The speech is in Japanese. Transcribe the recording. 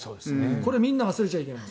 これ、みんな忘れちゃいけない。